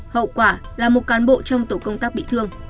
hậu quả là một cán bộ trong tổ công tác bị thương